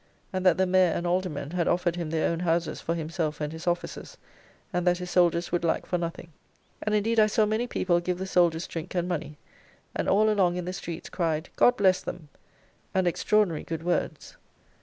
And that the Mayor and Aldermen had offered him their own houses for himself and his officers; and that his soldiers would lack for nothing. And indeed I saw many people give the soldiers drink and money, and all along in the streets cried, "God bless them!" and extraordinary good words.